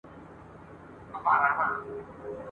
ټول بې واکه مسافر دي بې اختیاره یې سفر دی !.